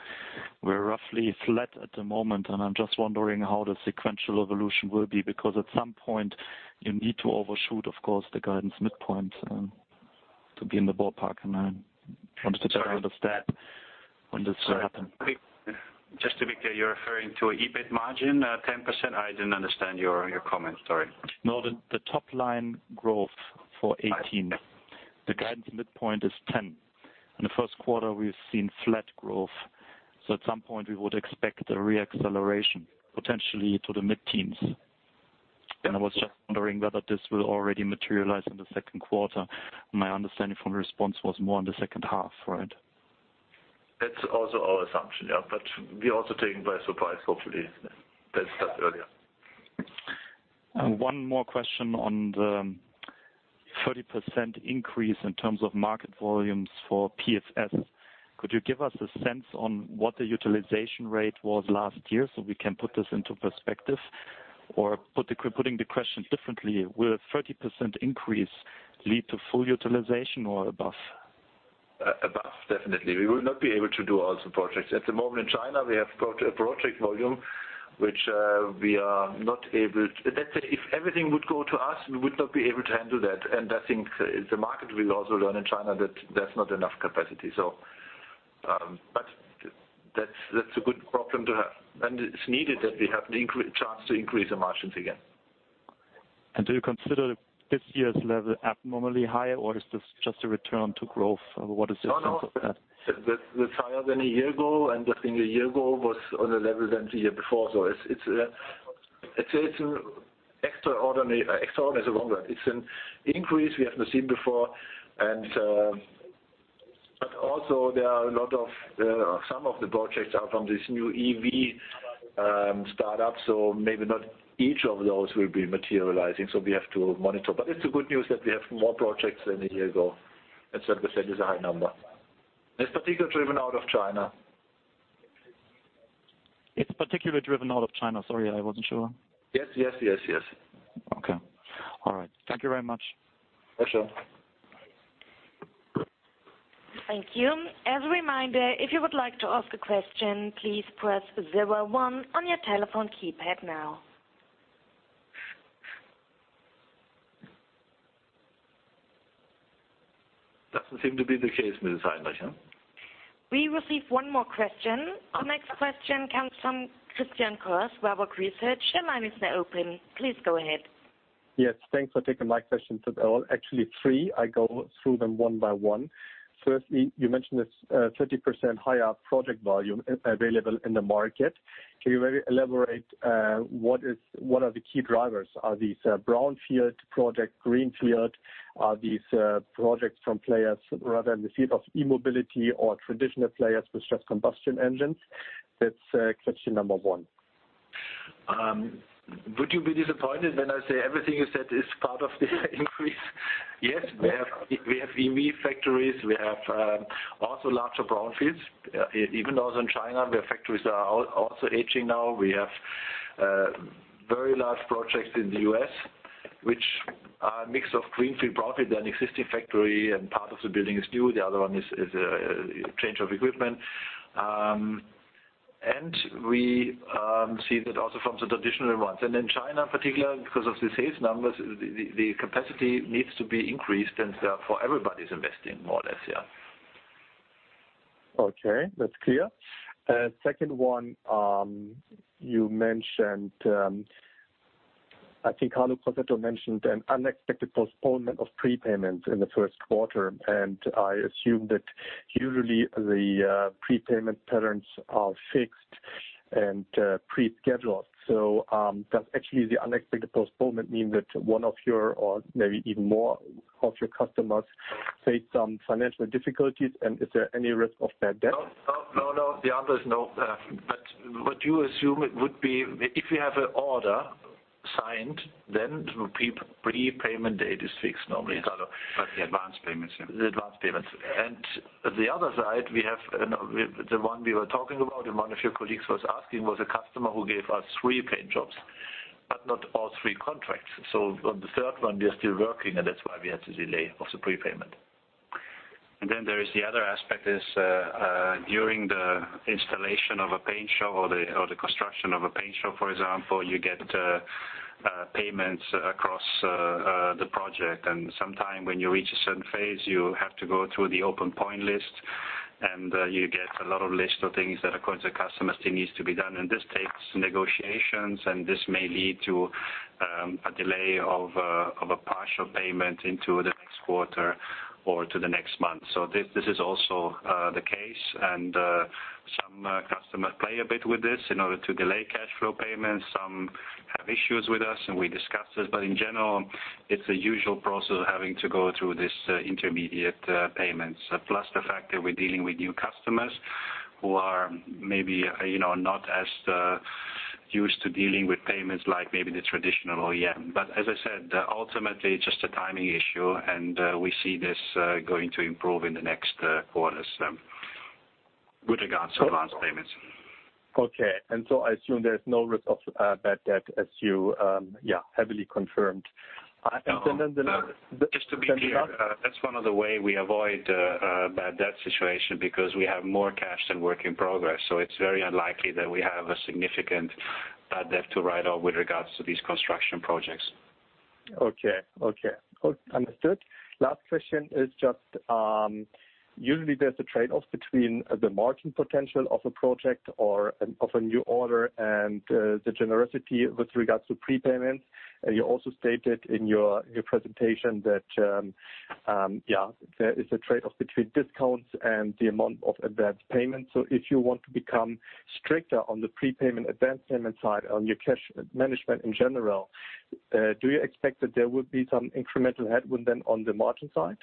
Speaker 5: We're roughly flat at the moment, and I'm just wondering how the sequential evolution will be because at some point you need to overshoot, of course, the guidance midpoint to be in the ballpark. I wanted to try to understand when this will happen.
Speaker 1: Just to be clear, you're referring to an EBIT margin of 10%? I didn't understand your comment. Sorry.
Speaker 5: No. The top line growth for '18. The guidance midpoint is 10%. In the first quarter, we've seen flat growth. So at some point, we would expect a re-acceleration potentially to the mid-teens. I was just wondering whether this will already materialize in the second quarter. My understanding from the response was more in the second half, right?
Speaker 1: That's also our assumption. Yeah. But we're also taking by surprise, hopefully. That's earlier.
Speaker 5: One more question on the 30% increase in terms of market volumes for PFS. Could you give us a sense on what the utilization rate was last year so we can put this into perspective? Or putting the question differently, will a 30% increase lead to full utilization or above?
Speaker 1: Above, definitely. We will not be able to do all the projects. At the moment in China, we have a project volume which we are not able, if everything would go to us, we would not be able to handle that. I think the market will also learn in China that there's not enough capacity. But that's a good problem to have. It's needed that we have the chance to increase the margins again.
Speaker 5: Do you consider this year's level abnormally high, or is this just a return to growth? What is your sense of that?
Speaker 1: That's higher than a year ago. I think a year ago was on a level than the year before. So it's an extraordinary increase we have not seen before. Also, there are a lot of some of the projects are from this new EV startup, so maybe not each of those will be materializing. So we have to monitor. The good news is that we have more projects than a year ago. 7% is a high number. It's particularly driven out of China.
Speaker 5: It's particularly driven out of China. Sorry, I wasn't sure.
Speaker 1: Yes. Yes. Yes. Yes.
Speaker 5: Okay. All right. Thank you very much.
Speaker 1: Pleasure.
Speaker 4: Thank you. As a reminder, if you would like to ask a question, please press 01 on your telephone keypad now.
Speaker 1: Doesn't seem to be the case, Ms. Heinrich.
Speaker 4: We receive one more question. The next question comes from Christian Kurse, Weyrauch Research. Your line is now open. Please go ahead.
Speaker 6: Yes. Thanks for taking my questions. There are actually three. I'll go through them one by one. Firstly, you mentioned this 30% higher project volume available in the market. Can you maybe elaborate what are the key drivers? Are these brownfield projects, greenfield? Are these projects from players rather in the field of e-mobility or traditional players with just combustion engines? That's question number one.
Speaker 1: Would you be disappointed when I say everything you said is part of the increase? Yes. We have EV factories. We have also larger brownfields. Even though in China, where factories are also aging now, we have very large projects in the US, which are a mix of greenfield, brownfield, and existing factory, and part of the building is new. The other one is a change of equipment. We see that also from the traditional ones. In China, in particular, because of the sales numbers, the capacity needs to be increased. Therefore, everybody's investing, more or less.
Speaker 6: Okay. That's clear. Second one, you mentioned I think Carlo Cossetto mentioned an unexpected postponement of prepayments in the first quarter. I assume that usually the prepayment patterns are fixed and prescheduled. So does actually the unexpected postponement mean that one of your or maybe even more of your customers face some financial difficulties? Is there any risk of bad debt?
Speaker 1: No, no. The answer is no. But what you assume would be if we have an order signed, then the prepayment date is fixed, normally, Carlo.
Speaker 5: But the advance payments, yeah.
Speaker 1: The advance payments. And on the other side, we have the one we were talking about, and one of your colleagues was asking, was a customer who gave us three paint jobs, but not all three contracts. So on the third one, we are still working, and that's why we had to delay the prepayment.
Speaker 5: There is the other aspect during the installation of a paint job or the construction of a paint job, for example, you get payments across the project. Sometimes when you reach a certain phase, you have to go through the open point list, and you get a lot of list of things that are going to the customers that needs to be done. This takes negotiations, and this may lead to a delay of a partial payment into the next quarter or to the next month. This is also the case. Some customers play a bit with this in order to delay cash flow payments. Some have issues with us, and we discuss this. But in general, it's a usual process of having to go through these intermediate payments, plus the fact that we're dealing with new customers who are maybe not as used to dealing with payments like maybe the traditional OEM. But as I said, ultimately, it's just a timing issue, and we see this going to improve in the next quarters with regards to advance payments.
Speaker 6: Okay. So I assume there's no risk of bad debt as you, yeah, heavily confirmed. And then the last.
Speaker 1: Just to be clear, that's one of the ways we avoid a bad debt situation because we have more cash than work in progress. So it's very unlikely that we have a significant bad debt to write off with regards to these construction projects.
Speaker 6: Okay. Okay. Understood. Last question is just usually there's a trade-off between the margin potential of a project or of a new order and the generosity with regards to prepayments. And you also stated in your presentation that, yeah, there is a trade-off between discounts and the amount of advance payments. So if you want to become stricter on the prepayment, advance payment side, on your cash management in general, do you expect that there would be some incremental headwind then on the margin side?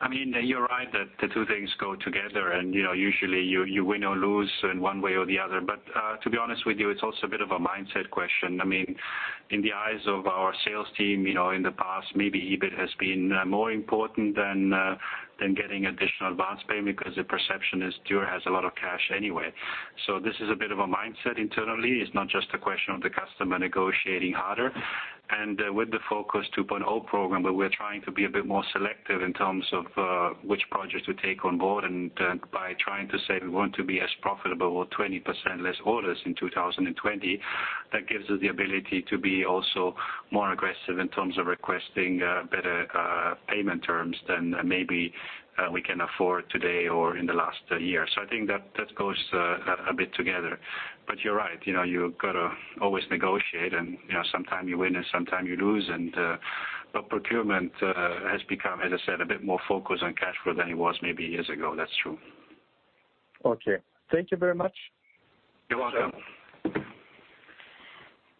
Speaker 5: I mean, you're right that the two things go together. Usually, you win or lose in one way or the other. But to be honest with you, it's also a bit of a mindset question. I mean, in the eyes of our sales team, in the past, maybe EBIT has been more important than getting additional advance payment because the perception is Dürr has a lot of cash anyway. This is a bit of a mindset internally. It's not just a question of the customer negotiating harder. With the Focus 2.0 program, where we're trying to be a bit more selective in terms of which projects to take on board and by trying to say we want to be as profitable or 20% less orders in 2020, that gives us the ability to be also more aggressive in terms of requesting better payment terms than maybe we can afford today or in the last year. I think that goes a bit together. But you're right. You've got to always negotiate, and sometimes you win and sometimes you lose. Procurement has become, as I said, a bit more focused on cash flow than it was maybe years ago. That's true.
Speaker 6: Okay. Thank you very much.
Speaker 1: You're welcome.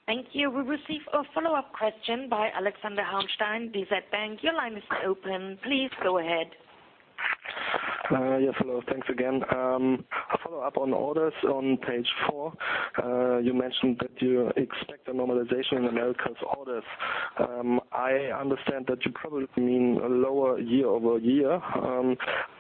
Speaker 4: Thank you. We receive a follow-up question by Alexander Halmstein, DZ Bank. Your line is now open. Please go ahead.
Speaker 5: Yes, hello. Thanks again. A follow-up on orders on page four. You mentioned that you expect a normalization in America's orders. I understand that you probably mean a lower year over year.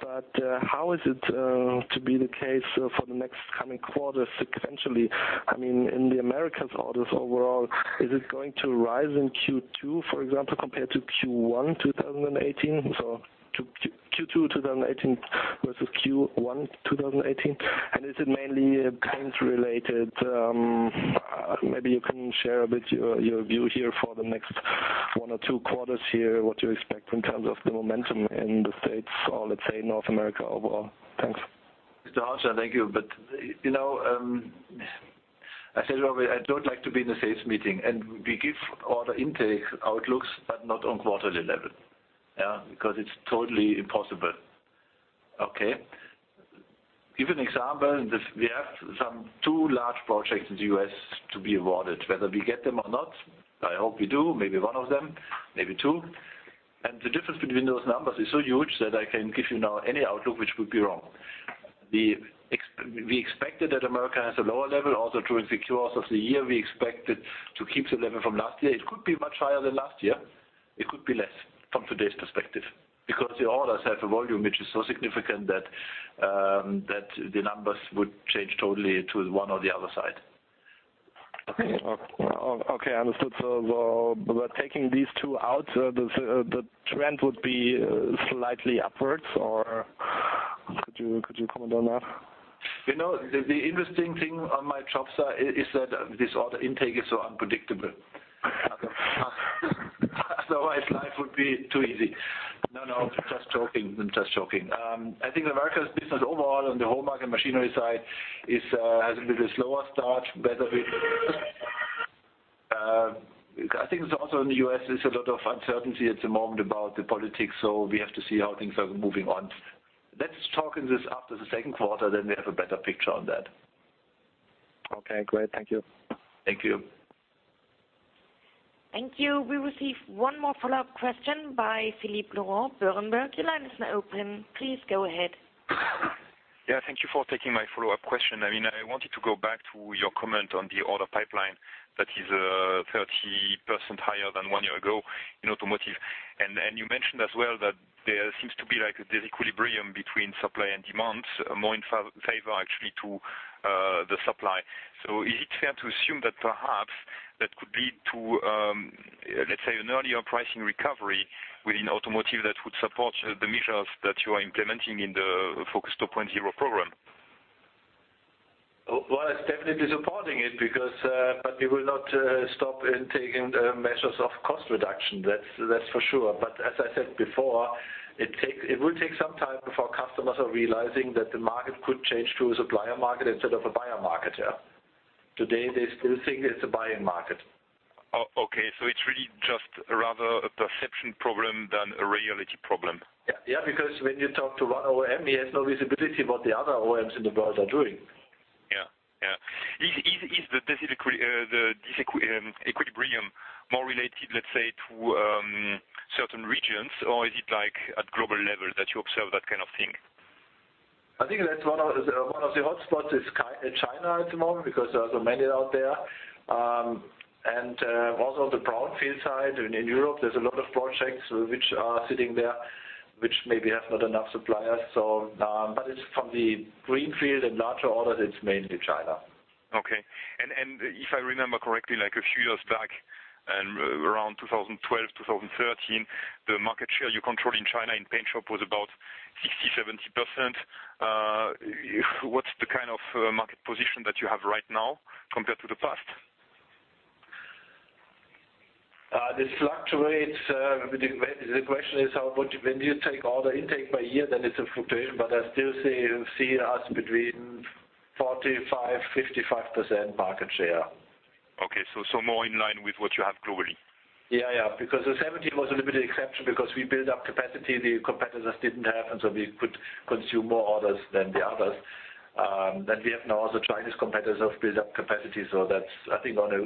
Speaker 5: But how is it going to be the case for the next coming quarter sequentially? I mean, in the America's orders overall, is it going to rise in Q2, for example, compared to Q1 2018? So Q2 2018 versus Q1 2018. Is it mainly paint-related? Maybe you can share a bit your view here for the next one or two quarters here, what you expect in terms of the momentum in the States or, let's say, North America overall. Thanks.
Speaker 1: Mr. Halmstein, thank you. But I said earlier, I don't like to be in the sales meeting. We give order intake outlooks, but not on quarterly level, because it's totally impossible. Give an example. We have two large projects in the US to be awarded. Whether we get them or not, I hope we do, maybe one of them, maybe two. The difference between those numbers is so huge that I can give you now any outlook, which would be wrong. We expected that America has a lower level. Also, during the Q1 of the year, we expected to keep the level from last year. It could be much higher than last year. It could be less from today's perspective because the orders have a volume which is so significant that the numbers would change totally to one or the other side.
Speaker 5: Okay. Okay. Understood. So taking these two out, the trend would be slightly upwards or could you comment on that?
Speaker 1: The interesting thing on my job site is that this order intake is so unpredictable. Otherwise, life would be too easy. No, no. Just joking. I'm just joking. I think America's business overall on the whole market machinery side has a bit of a slower start. Better with, I think it's also in the US, there's a lot of uncertainty at the moment about the politics. So we have to see how things are moving on. Let's talk in this after the second quarter, then we have a better picture on that.
Speaker 5: Okay. Great. Thank you.
Speaker 1: Thank you.
Speaker 4: Thank you. We receive one more follow-up question by Philippe Laurent Berenberg. Your line is now open. Please go ahead.
Speaker 6: Thank you for taking my follow-up question. I wanted to go back to your comment on the order pipeline that is 30% higher than one year ago in automotive. You mentioned as well that there seems to be a disequilibrium between supply and demand, more in favor actually to the supply. So is it fair to assume that perhaps that could lead to, let's say, an earlier pricing recovery within automotive that would support the measures that you are implementing in the Focus 2.0 program?
Speaker 1: It's definitely supporting it, but we will not stop in taking measures of cost reduction. That's for sure. As I said before, it will take some time before customers are realizing that the market could change to a supplier market instead of a buyer market. Today, they still think it's a buying market.
Speaker 6: It's really just rather a perception problem than a reality problem.
Speaker 1: Yeah. Because when you talk to one OEM, he has no visibility of what the other OEMs in the world are doing.
Speaker 6: Yeah. Yeah. Is the disequilibrium more related, let's say, to certain regions, or is it at global level that you observe that kind of thing?
Speaker 1: I think one of the hotspots is China at the moment because there are so many out there. Also the brownfield side in Europe, there's a lot of projects which are sitting there, which maybe have not enough suppliers. But it's from the greenfield and larger orders, it's mainly China.
Speaker 6: Okay. And if I remember correctly, a few years back, around 2012, 2013, the market share you control in China in paint shop was about 60%, 70%. What's the kind of market position that you have right now compared to the past?
Speaker 1: This fluctuates. The question is, when you take order intake by year, then it's a fluctuation. But I still see us between 45%, 55% market share.
Speaker 6: Okay. So more in line with what you have globally?
Speaker 1: Because the '70s was a little bit of an exception because we built up capacity the competitors didn't have, and so we could consume more orders than the others. We have now also Chinese competitors who have built up capacity. So that's, I think, on a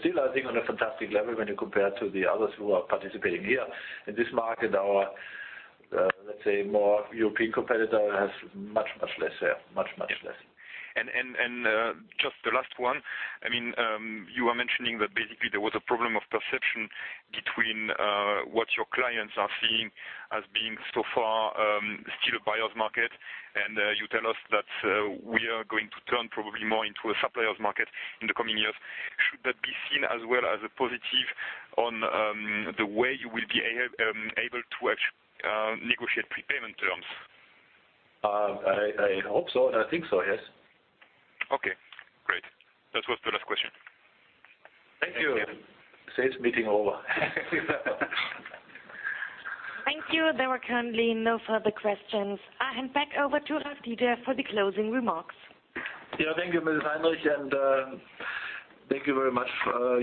Speaker 1: still, I think, on a fantastic level when you compare to the others who are participating here. In this market, our, let's say, more European competitor has much, much less here. Much, much less.
Speaker 6: Just the last one. I mean, you were mentioning that basically there was a problem of perception between what your clients are seeing as being so far still a buyer's market. You tell us that we are going to turn probably more into a supplier's market in the coming years. Should that be seen as well as a positive on the way you will be able to actually negotiate prepayment terms?
Speaker 1: I hope so. And I think so, yes.
Speaker 6: Okay. Great. That was the last question.
Speaker 1: Thank you. Sales meeting over.
Speaker 4: Thank you. There are currently no further questions. I hand back over to Ralph Deter for the closing remarks.
Speaker 1: Thank you, Mr. Heinrich. Thank you very much,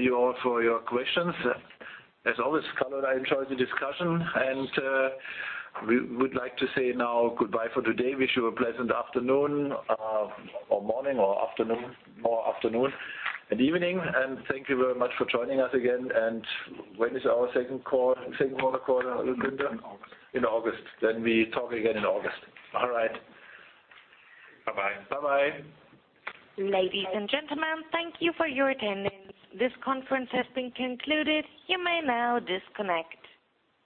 Speaker 1: you all, for your questions. As always, Carlo, I enjoyed the discussion. We would like to say goodbye for today. Wish you a pleasant afternoon or morning or afternoon, more afternoon, and evening. Thank you very much for joining us again. When is our second quarter call, Günther? In August. In August. We talk again in August. All right.
Speaker 5: Bye-bye.
Speaker 1: Bye-bye.
Speaker 4: Ladies and gentlemen, thank you for your attendance. This conference has been concluded. You may now disconnect.